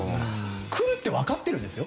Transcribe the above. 来るって分かってるんですよ。